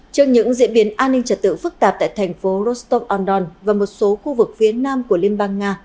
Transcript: trong những diễn biến an ninh trật tự phức tạp tại thành phố rostov on don và một số khu vực phía nam của liên bang nga